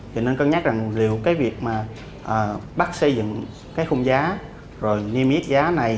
thì nên cân nhắc rằng liệu cái việc mà bắt xây dựng cái khung giá rồi niêm yết giá này